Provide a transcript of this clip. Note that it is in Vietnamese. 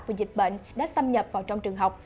vì dịch bệnh đã xâm nhập vào trong trường học